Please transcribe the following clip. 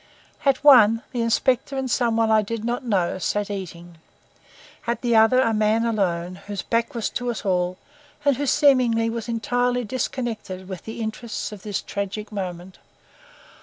At one, the inspector and some one I did not know sat eating; at the other a man alone, whose back was to us all, and who seemingly was entirely disconnected with the interests of this tragic moment.